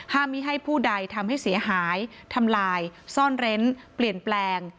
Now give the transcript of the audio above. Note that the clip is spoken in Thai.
ไม่ให้ผู้ใดทำให้เสียหายทำลายซ่อนเร้นเปลี่ยนแปลง